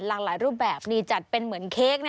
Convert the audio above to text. หลากหลายรูปแบบนี้จัดเป็นเหมือนเค้ก